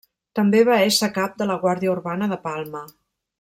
També va esser cap de la Guàrdia Urbana de Palma.